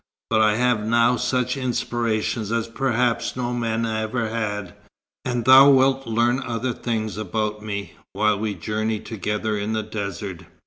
But I have now such inspiration as perhaps no man ever had; and thou wilt learn other things about me, while we journey together in the desert."